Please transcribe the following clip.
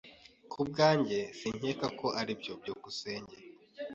Ku bwanjye, sinkeka ko aribyo. byukusenge